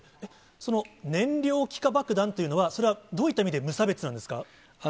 その燃料気化爆弾というのは、それはどういった意味で無差別なんですか？